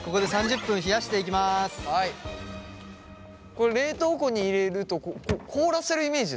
これ冷凍庫に入れると凍らせるイメージですか？